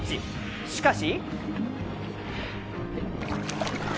しかし。